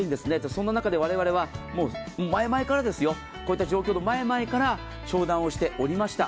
そんな中で我々はこういった状況の前々から商談をしておりました。